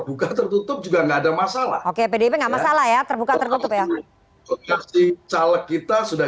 buka tertutup juga enggak ada masalah oke pdip enggak masalah ya terbuka tertutup ya caleg kita sudah